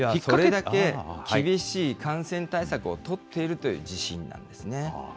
それだけ厳しい感染対策を取っているという自信なんですね。